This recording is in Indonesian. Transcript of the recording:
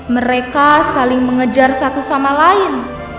mereka saling mengejar satu sama lain